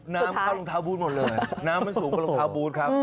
น้ำเข้ารองเท้าบูธหมดเลยน้ำมันสูงกว่ารองเท้าบูธครับ